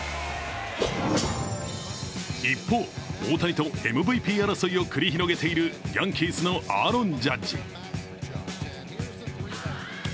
一方、大谷とＭＶＰ争いを繰り広げているヤンキースのアーロン・ジャッジ。